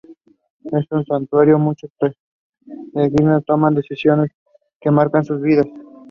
They lost all four of their games and failed to record any goals.